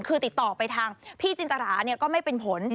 คือติดต่อไปทางพี่จินตราเนี่ยก็ไม่เป็นผล